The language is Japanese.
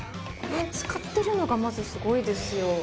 これ使ってるのがまずすごいですよ。